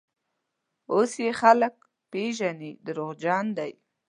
اوس یې خلک پېژني: دروغجن دی.